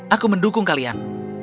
aku mendukung kalian